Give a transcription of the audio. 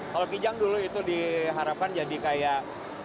kalau kijang dulu itu diharapkan jadi kayak